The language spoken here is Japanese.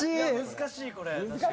難しいこれ。